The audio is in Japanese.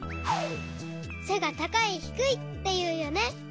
せが「たかい」「ひくい」っていうよね。